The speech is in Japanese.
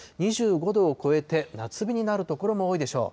２５度を超えて、夏日になる所も多いでしょう。